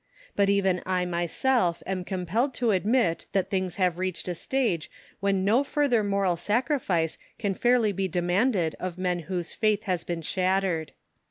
But even I myself am compelled to admit that things have reached a stage when no further moral sacrifice can fairly be demanded of men whose faith has been shattered.